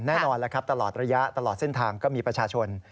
แน่นอนแล้วครับตลอดระยะตลอดเส้นทางก็มีประชาชน